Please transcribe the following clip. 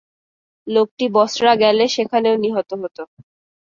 লোকটি বসরা গেলে সেখানেও নিহত হত।